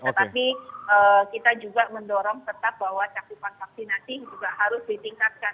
tetapi kita juga mendorong tetap bahwa cakupan vaksinasi juga harus ditingkatkan